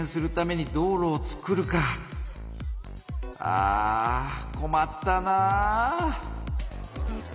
あこまったなぁ。